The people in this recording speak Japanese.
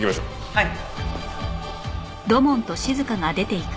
はい。